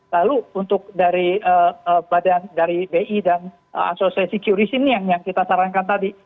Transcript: lalu untuk dari b i dan asosiasi curist ini yang kita sarankan tadi